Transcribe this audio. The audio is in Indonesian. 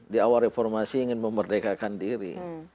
di awal reformasi ingin memerdekakan diri